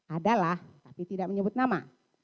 ada lah tapi tidak menyebut nama